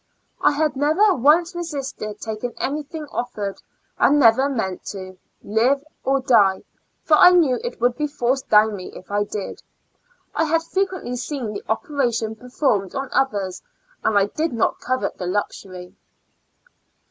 I had never once resisted taking anything oflfered, and never meant to, live or die, for I knew it would be forced down me if I did; I had fre quently seen the operation performed on others, and I did not covet the luxury.